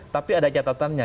tapi ada catatannya